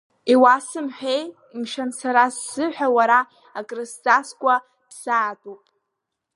Иуасымҳәеи, мшәан, сара сзыҳәа уара акрызҵазкуа ԥсаатәуп!